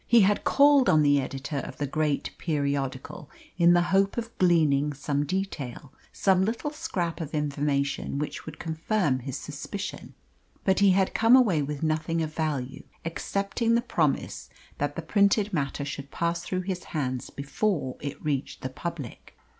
He had called on the editor of the great periodical in the hope of gleaning some detail some little scrap of information which would confirm his suspicion but he had come away with nothing of value excepting the promise that the printed matter should pass through his hands before it reached the public.